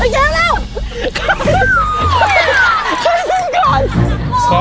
เย็นเร็ว